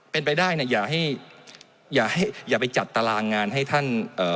เป็นไปได้อย่าให้อย่าไปจัดตารางงานให้ท่าน